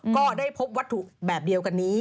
ก็ได้พบวัตถุแบบเดียวกันนี้